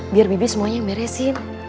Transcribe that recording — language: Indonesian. biar bibit semuanya yang beresin